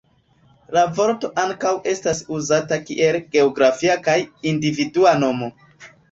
La vorto ankaŭ estas uzata kiel geografia kaj individua nomo.